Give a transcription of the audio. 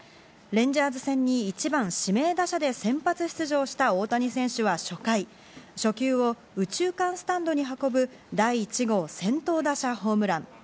レンジャーズ戦に１番・指名打者で先発出場した大谷選手は初回、初球を右中間スタンドに運ぶ第１号先頭打者ホームラン。